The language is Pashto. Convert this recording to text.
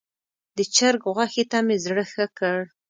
د چرګ غوښې ته مې زړه ښه کړ.